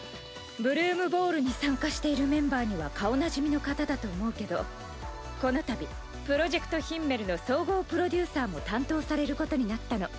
「ブルームボール」に参加しているメンバーには顔なじみの方だと思うけどこの度「ＰｒｏｊｅｃｔＨｉｍｍｅｌ」の総合プロデューサーも担当されることになったの。